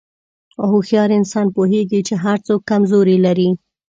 هوښیار انسان پوهېږي چې هر څوک کمزوري لري.